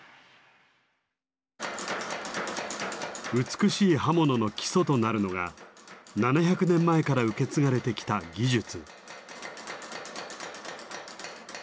美しい刃物の基礎となるのが７００年前から受け継がれてきた技術。